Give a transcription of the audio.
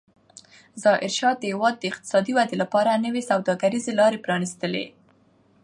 ظاهرشاه د هېواد د اقتصادي ودې لپاره نوې سوداګریزې لارې پرانستلې.